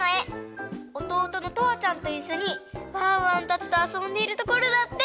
おとうとのとあちゃんといっしょにワンワンたちとあそんでいるところだって。